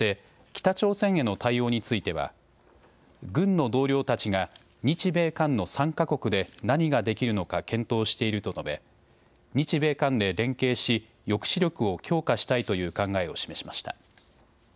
そして北朝鮮への対応については軍の同僚たちが日米韓の３か国で何ができるのか検討していると述べ、日米韓で連携し抑止力を強化したいという考えを示しました。